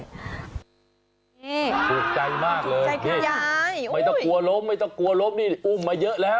นี่ถูกใจมากเลยไม่ต้องกลัวล้มไม่ต้องกลัวล้มนี่อุ้มมาเยอะแล้ว